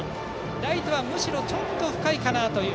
ライトはむしろちょっと深いかなという。